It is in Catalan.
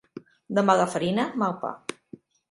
De mala farina, mal pa.